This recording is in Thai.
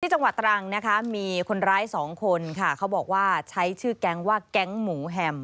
จังหวัดตรังนะคะมีคนร้ายสองคนค่ะเขาบอกว่าใช้ชื่อแก๊งว่าแก๊งหมูแฮม